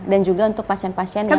dan juga untuk pasien pasien yang